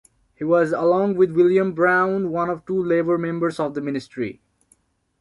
He was, along with William Browne, one of two Labor members of the ministry.